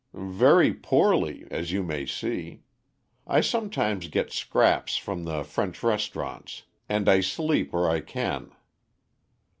"Very poorly, as you may see. I sometimes get scraps from the French restaurants, and I sleep where I can."